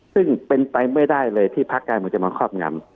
ซึ่งเป็นไปไม่ได้เลยที่พักการเมืองจะมาครอบงำ